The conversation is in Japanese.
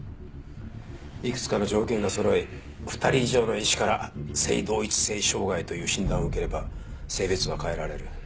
幾つかの条件が揃い２人以上の医師から性同一性障害という診断を受ければ性別は変えられる。